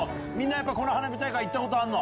この花火大会行ったことあるの？